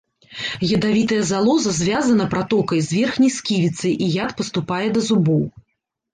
Ядавітая залоза звязана пратокай з верхняй сківіцай, і яд паступае да зубоў.